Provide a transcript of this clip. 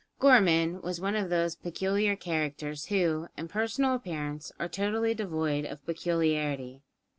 Gorman was one of those peculiar characters who, in personal appearance, are totally devoid of peculiarity.